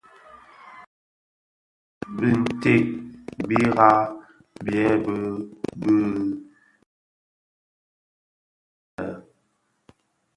Binted bira byèbi mbi wu bëkan lè.